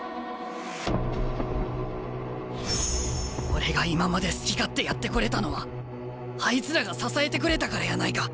俺が今まで好き勝手やってこれたのはあいつらが支えてくれたからやないか。